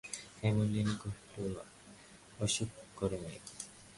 হেমনলিনী কহিল, অসুখ করে নাই।